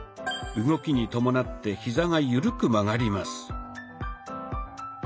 動きに伴ってヒザが緩く曲がります。